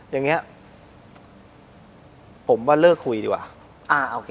อย่างนี้ผมว่าเลิกคุยดีกว่า